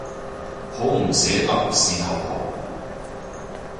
好唔捨得事頭婆